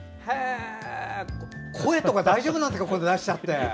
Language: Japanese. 声とか大丈夫なんですか出しちゃって。